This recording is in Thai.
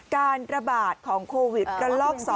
การระบาดของโควิดระลอก๒